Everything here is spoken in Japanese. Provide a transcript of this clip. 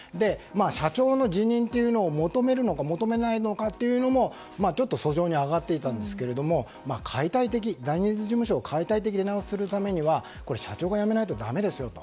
社長の辞任を求めるか求めないのかも俎上に上がっていたんですがジャニーズ事務所の解体的見直しをするためには社長が辞めないとだめですよと。